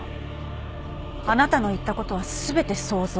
あなたの言ったことは全て想像。